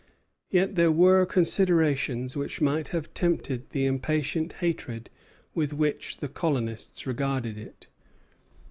Yet there were considerations which might have tempered the impatient hatred with which the colonists regarded it.